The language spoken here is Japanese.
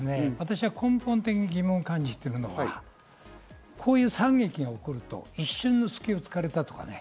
根本的に疑問を感じているのは、こういう惨劇が起こると一瞬の隙を突かれたとかね。